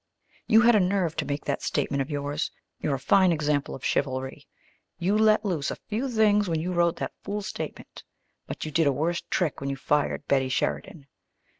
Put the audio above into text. "You had a nerve to make that statement of yours. You're a fine example of chivalry. You let loose a few things when you wrote that fool statement, but you did a worse trick when you fired Betty Sheridan.